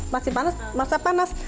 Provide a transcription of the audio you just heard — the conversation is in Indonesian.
masih panas masih panas